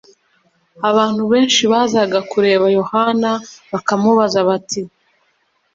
abantu benshi bazaga kureba yohana bakamubaza bati